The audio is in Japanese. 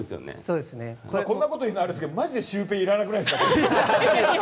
こんなことをいうのもあれですけどまじでシュウペイいらなくないですか？